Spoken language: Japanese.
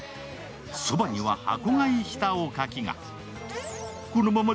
そばには、箱買いしたおかきが。